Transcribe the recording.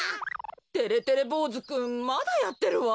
てれてれぼうずくんまだやってるわ。